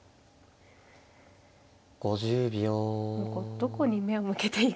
どこに目を向けていいかが。